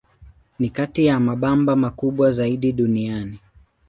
Ni kati ya mabamba makubwa zaidi duniani.